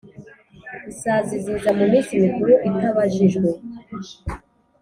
isazi ziza mu minsi mikuru itabajijwe